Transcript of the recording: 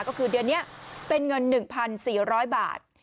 ก็คือเดือนนี้เป็นเงิน๑๔๐๐บาท